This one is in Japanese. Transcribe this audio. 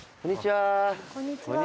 こんにちは。